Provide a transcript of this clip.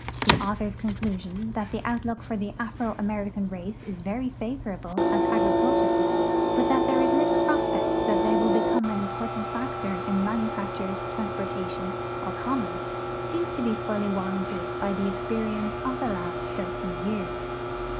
The author's conclusion that the outlook for the Afro Ameri can race is very favorable as agriculturists, but that there is little prospect that they will become an important factor in manufactures, transporta tion, or commerce seems to be fully warranted by the expei'ience of the last thirty years.